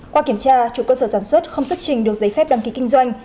qua kiểm tra chủ cơ sở sản xuất không xuất trình được giấy phép đăng ký kinh doanh